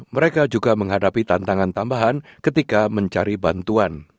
mereka juga menghadapi tantangan tambahan ketika mencari bantuan